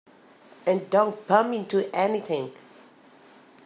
And don't bump into anything.